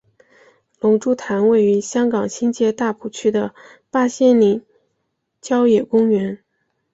龙珠潭位于香港新界大埔区的八仙岭郊野公园。